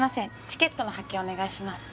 チケットの発券お願いします。